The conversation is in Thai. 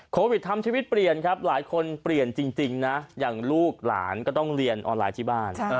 โควิดทำชีวิตเปลี่ยนครับหลายคนเปลี่ยนจริงนะอย่างลูกหลานก็ต้องเรียนออนไลน์ที่บ้าน